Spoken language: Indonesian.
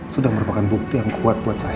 sudah merupakan bukti yang kuat buat saya